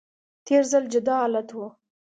تیر ځل جدا حالت و